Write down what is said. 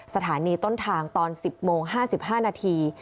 สถานีต้นทางตอน๑๐โมง๕๕นาที